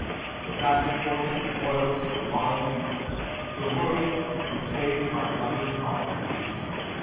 So that if Fortune foil so far a feat, The world, through Fame, my loving heart may weet."